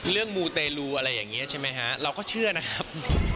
มูเตรลูอะไรอย่างนี้ใช่ไหมฮะเราก็เชื่อนะครับ